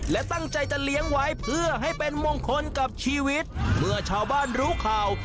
และตั้งใจจะเลี้ยงไว้เพื่อให้เป็นมงคลกับชีวิตเมื่อชาวบ้านรู้ข่าว